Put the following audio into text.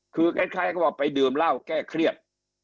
คือคล้ายก็ว่าไปดื่มเหล้าแก้เครียด